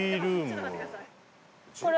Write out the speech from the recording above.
これ。